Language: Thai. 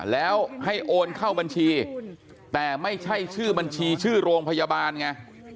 แล้วให้โอนเข้าบัญชีแต่ไม่ใช่ชื่อบัญชีชื่อโรงพยาบาลไง